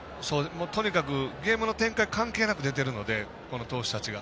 とにかくゲームの展開関係なく出てるのでこの投手たちが。